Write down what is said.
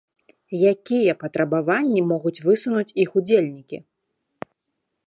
Якія патрабаванні могуць высунуць іх удзельнікі?